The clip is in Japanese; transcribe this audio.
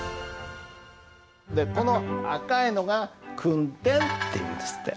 でこの赤いのが「訓点」っていうんですって。